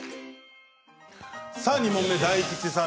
２問目、大吉さん